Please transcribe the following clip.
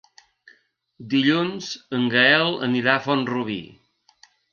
Dilluns en Gaël anirà a Font-rubí.